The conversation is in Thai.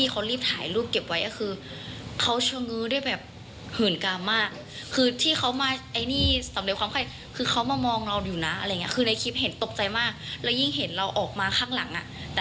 กลางคืนเวลาเราจะต้องเข้าห้องน้ำ